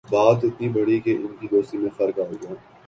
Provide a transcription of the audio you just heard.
بات اتنی بڑھی کہ ان کی دوستی میں فرق آگیا